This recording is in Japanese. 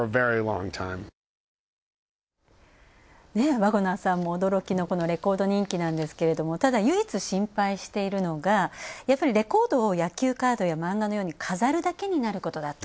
ワゴナーさんも驚きのレコード人気なんですけれどもただ、唯一心配しているのがやっぱり、レコードを野球カードや漫画のように飾るだけになることだと。